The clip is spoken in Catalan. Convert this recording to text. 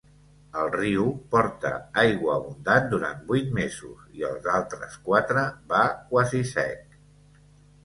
El riu porta aigua abundant durant vuit mesos i els altres quatre va quasi sec.